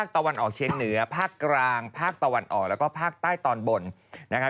แล้วก็ภาคใต้ตอนบนนะคะ